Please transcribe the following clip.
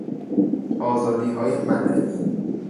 آزادیهای مدنی